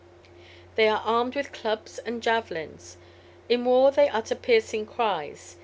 They are armed with clubs and javelins; in war they utter piercing cries.